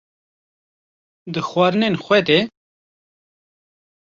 di xwarinên xwe de